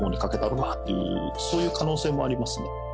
っていうそういう可能性もありますね。